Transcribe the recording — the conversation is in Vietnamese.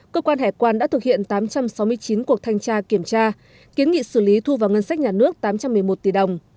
cơ quan hải quan đã thực hiện tám trăm sáu mươi chín cuộc thanh tra kiểm tra kiến nghị xử lý thu vào ngân sách nhà nước tám trăm một mươi một tỷ đồng